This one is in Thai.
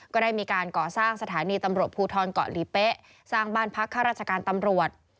ก็ได้มีการก่อสร้างสถานีตำรวจภูทรเกาะหลีเป๊ะสร้างบ้านพักข้าราชการตำรวจ